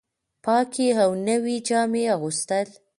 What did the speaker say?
پاکې او نوې جامې اغوستل